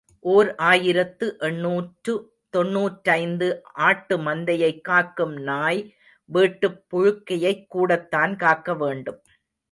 ஓர் ஆயிரத்து எண்ணூற்று தொன்னூற்றைந்து ஆட்டுமந்தையைக் காக்கும் நாய் வீட்டுப் புழுக்கையைக் கூடத்தான் காக்க வேணும்.